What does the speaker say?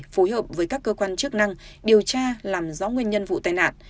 phối hợp với các cơ quan chức năng điều tra làm rõ nguyên nhân vụ tai nạn